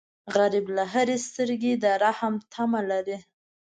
غریب له هرې سترګې د رحم تمه لري